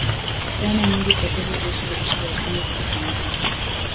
dhana nyingi potovu kuhusu virusi vya ukimwi zilisambaa